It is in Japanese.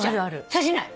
通じない？